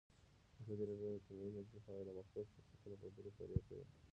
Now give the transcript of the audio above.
ازادي راډیو د اټومي انرژي په اړه د مخکښو شخصیتونو خبرې خپرې کړي.